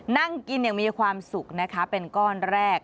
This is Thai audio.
นั่งกินอย่างมีความสุขนะคะเป็นก้อนแรก